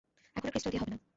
এখন আর ক্রিস্টাল দিয়ে হবে না।